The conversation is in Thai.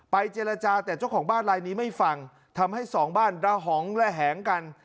เจรจาแต่เจ้าของบ้านลายนี้ไม่ฟังทำให้สองบ้านระหองระแหงกัน